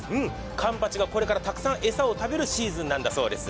かんぱちがこれからたくさん餌を食べるシーズンなんだそうです。